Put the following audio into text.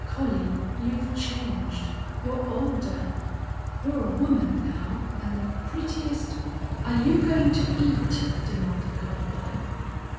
"Collie, you've changed. You're older. You're a woman, now and the prettiest " "Are you going to eat?" demanded Columbine.